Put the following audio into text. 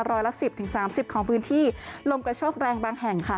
ร้อยละสิบถึงสามสิบของพื้นที่ลมกระโชกแรงบางแห่งค่ะ